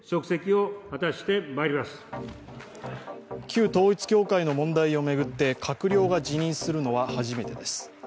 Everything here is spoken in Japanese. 旧統一教会の問題を巡って閣僚が辞任するのは初めてです。